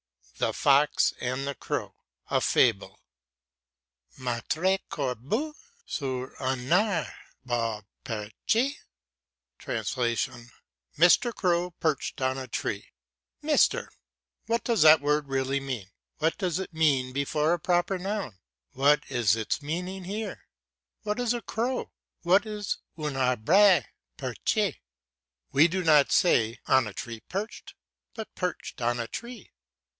THE FOX AND THE CROW A FABLE "Maitre corbeau, sur un arbre perche" (Mr. Crow perched on a tree). "Mr.!" what does that word really mean? What does it mean before a proper noun? What is its meaning here? What is a crow? What is "un arbre perche"? We do not say "on a tree perched," but perched on a tree.